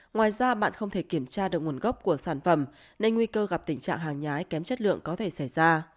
ngoài ra bạn không thể kiểm tra được nguồn gốc của sản phẩm nên nguy cơ gặp tình trạng hàng nhái kém chất lượng có thể xảy ra